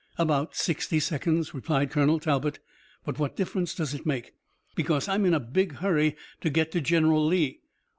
"About sixty seconds," replied Colonel Talbot, "but what difference does it make?" "Because I'm in a big hurry to get to General Lee!